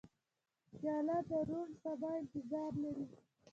پیاله د روڼ سبا انتظار لري.